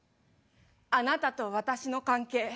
あなたと私の関係。